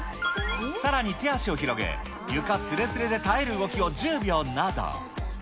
さらに手足を広げ、床すれすれで耐える動きを１０秒など。